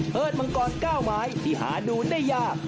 เฮิร์ดมังกร๙หมายที่หาดูได้ยาก